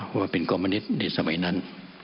ว่าเป็นความมะนิดในสมัยนั้น